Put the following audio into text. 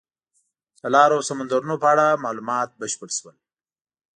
د لارو او سمندرونو په اړه معلومات بشپړ شول.